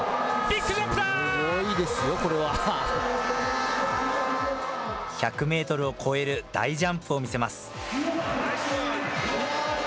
すごいですよ、これは。１００メートルを超える大ジャンプを見せます。